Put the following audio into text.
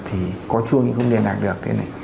thì có chuông nhưng không liên lạc được